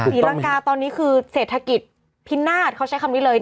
ศรีลังกาตอนนี้คือเศรษฐกิจพินาศเขาใช้คำนี้เลย